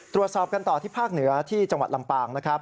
ตรวจสอบกันต่อที่ภาคเหนือที่จังหวัดลำปางนะครับ